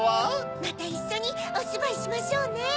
またいっしょにおしばいしましょうね。